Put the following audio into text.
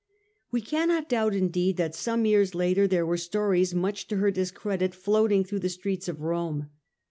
We cannot doubt indeed that some years later there were stories much to her discredit floating through the streets of Rome.